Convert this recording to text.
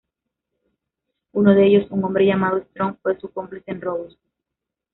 Uno de ellos, un hombre llamado Strong, fue su cómplice en robos.